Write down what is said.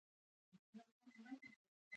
د موسکا قیمت له برېښنا ډېر کم دی.